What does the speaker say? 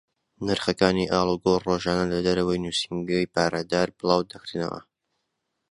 نرخەکانی ئاڵوگۆڕ ڕۆژانە لە دەرەوەی نووسینگەی پارەدار بڵاو دەکرێنەوە.